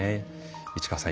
市川さん